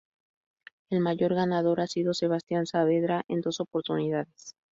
El mayor ganador ha sido Sebastián Saavedra, en dos oportunidades.